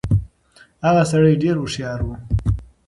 هغه سړی ډېر هوښيار و.